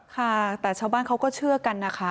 ค่ะแต่ชาวบ้านเขาก็เชื่อกันนะคะ